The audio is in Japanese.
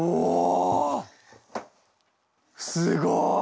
すごい！